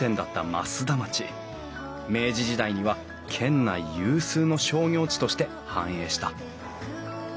明治時代には県内有数の商業地として繁栄した。